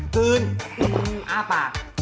คืนอ้าปาก